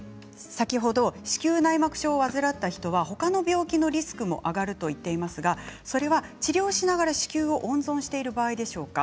先ほど、子宮内膜症を患った人はほかの病気のリスクも上がると言っていましたがそれは治療をしながら子宮を温存している場合でしょうか？